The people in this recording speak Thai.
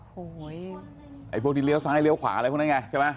โอ้โหไอ้พวกที่เลี้ยวซ้ายเลี้ยวขวาอะไรพวกนั้นไงใช่ไหม